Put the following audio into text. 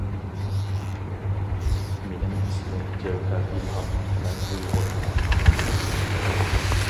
مىنىڭ ئىسمىم جەۋھەر ئىلھام، مەن ئۇيغۇر.